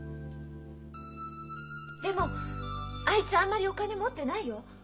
でもあいつあんまりお金持ってないよ。